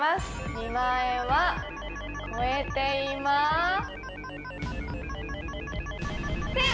２万円は超えていません！